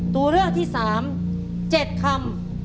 ตัวเลือกที่๓๗คำ